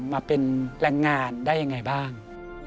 มาเป็นแรงงานได้ยังไงบ้าง